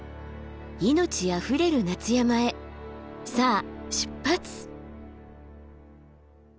命あふれる夏山へさあ出発！